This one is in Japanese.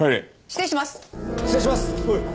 失礼します。